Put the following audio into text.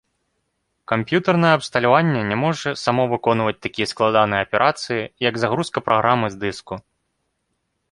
Камп'ютарнае абсталявання не можа само выконваць такія складаныя аперацыі, як загрузка праграмы з дыску.